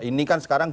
ini kan sekarang